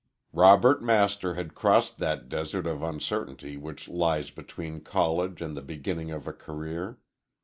Robert Master had crossed that desert of uncertainty which lies between college and the beginning of a career.